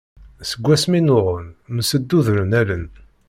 Seg asmi nnuɣen, msendudren allen.